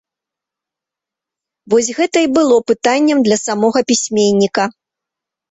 Вось гэта і было пытаннем для самога пісьменніка.